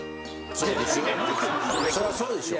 そらそうでしょ。